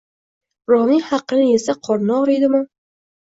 Birovning haqini yesa qorni og‘riydimi